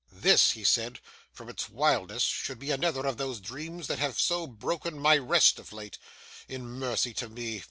'This,' he said, 'from its wildness, should be another of those dreams that have so broken my rest of late. In mercy to me!